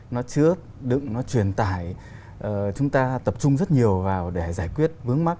nó trước đựng nó truyền tải chúng ta tập trung rất nhiều vào để giải quyết vướng mắc